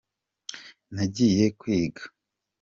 nagiye kwiga.